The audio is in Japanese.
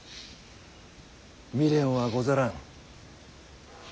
未練はござらん。